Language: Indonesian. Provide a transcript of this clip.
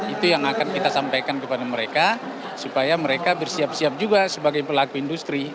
itu yang akan kita sampaikan kepada mereka supaya mereka bersiap siap juga sebagai pelaku industri